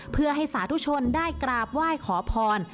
เพื่อให้สาธุชนได้กราบไหว้ขอพร